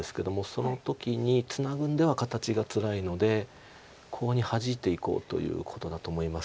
その時にツナぐんでは形がつらいのでコウにハジいていこうということだと思います。